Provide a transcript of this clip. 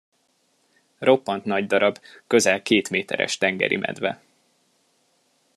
Roppant nagydarab, közel kétméteres tengeri medve.